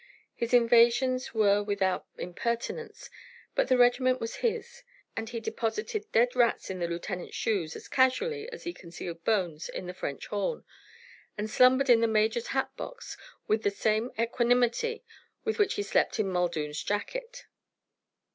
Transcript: His invasions were without impertinence; but the regiment was his, and he deposited dead rats in the lieutenant's shoes as casually as he concealed bones in the French horn; and slumbered in the major's hat box with the same equanimity with which he slept in Muldoon's jacket.